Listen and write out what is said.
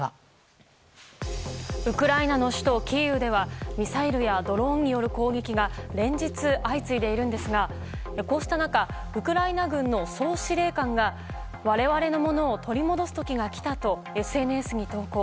ウクライナの首都キーウではミサイルやドローンによる攻撃が連日、相次いでいるんですがこうした中ウクライナ軍の総司令官が我々のものを取り戻す時が来たとＳＮＳに投稿。